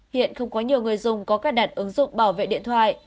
hiện không có nhiều người dùng có cài đặt ứng dụng bảo vệ điện thoại